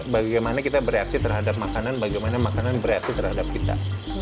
bagaimana kita bereaksi terhadap makanan bagaimana makanan bereaksi terhadap kita